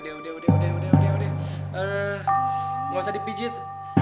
eee gak usah dipijit